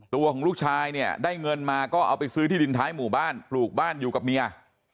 ตัวของลูกชายเนี่ยได้เงินมาก็เอาไปซื้อที่ดินท้ายหมู่บ้านปลูกบ้านอยู่กับเมีย